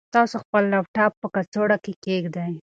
تاسو خپل لپټاپ په کڅوړه کې کېږدئ.